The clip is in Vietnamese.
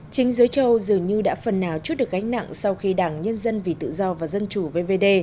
chính giới châu dường như đã phần nào chốt được gánh nặng sau khi đảng nhân dân vì tự do và dân chủ vvd